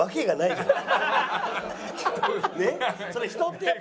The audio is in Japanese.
ねっ？